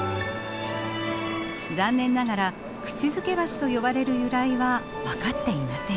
残念ながら口づけ橋と呼ばれる由来は分かっていません。